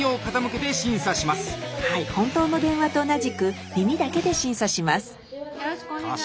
はい本当の電話と同じく耳だけで審査します。